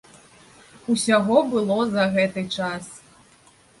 Усяго было за гэты час.